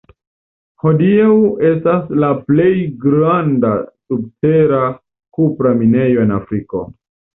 Hodiaŭ estas la plej granda subtera kupra minejo en Afriko.